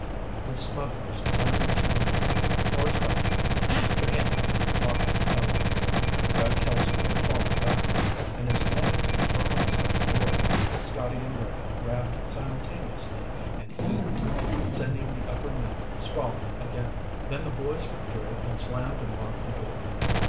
The smugglers clambered to their feet, or tried to. "After him," Marbek bellowed. Red Kelso had fallen backward, and his legs were almost at the door. Scotty and Rick grabbed simultaneously and heaved, sending the upper men sprawling again. Then the boys withdrew and slammed and locked the door.